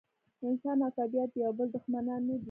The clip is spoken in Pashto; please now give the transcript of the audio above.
انسان او طبیعت د یو بل دښمنان نه دي.